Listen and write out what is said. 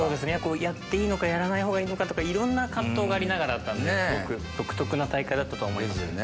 やっていいのかやらないほうがいいのかとかいろんな藤がありながらだったんですごく独特な大会だったとは思いますね。